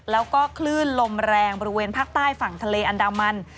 แล้วก็คลื่นลมแรงบริเวณภาคใต้ฝั่งทะเลอันดามัน